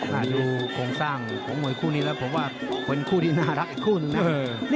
ถ้าดูโครงสร้างของมวยคู่นี้แล้วผมว่าเป็นคู่ที่น่ารักอีกคู่หนึ่งนะ